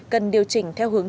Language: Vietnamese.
cần điều chỉnh theo hướng